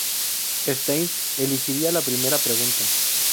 Stein elegiría la primera pregunta.